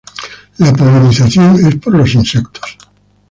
La polinización es por los insectos.